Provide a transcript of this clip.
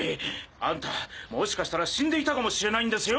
あんたもしかしたら死んでいたかもしれないんですよ。